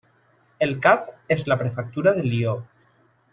El cap és la prefectura de Lió.